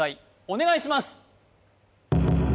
お願いします